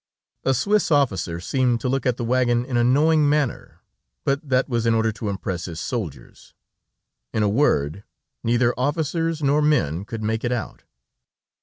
A Swiss officer seemed to look at the wagon in a knowing manner, but that was in order to impress his soldiers. In a word, neither officers nor men could make it out.